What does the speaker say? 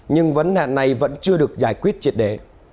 nhưng vấn đề này vẫn chưa được giải quyết triệt để